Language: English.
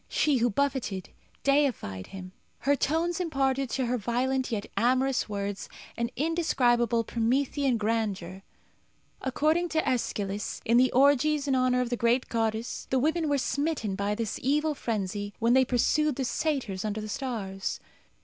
She, who buffeted, deified him. Her tones imparted to her violent yet amorous words an indescribable Promethean grandeur. According to Æschylus, in the orgies in honour of the great goddess the women were smitten by this evil frenzy when they pursued the satyrs under the stars.